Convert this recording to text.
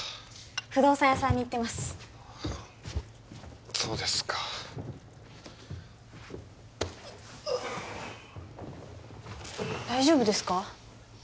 不動産屋さんに行ってますそうですか大丈夫ですか？